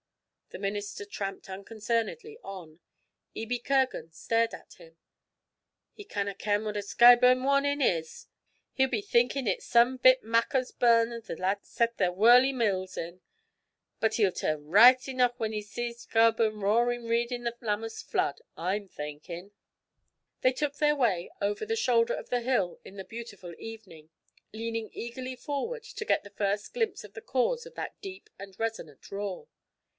The minister tramped unconcernedly on. Ebie Kirgan stared at him. 'He canna ken what a "Skyreburn warnin'" is he'll be thinkin' it's some bit Machars burn that the laddies set their whurlie mills in. But he'll turn richt eneuch when he sees Skyreburn roarin' reed in a Lammas flood, I'm thinkin'!' They took their way over the shoulder of the hill in the beautiful evening, leaning eagerly forward to get the first glimpse of the cause of that deep and resonant roar.